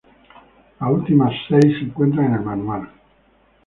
Las últimas seis se encuentran en el manual.